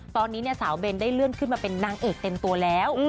ตอนนี้สาวเบนได้เลื่อนขึ้นมาเป็นนางเอกเต็มตัวแล้ว